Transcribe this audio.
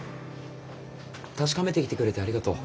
確かめてきてくれてありがとう。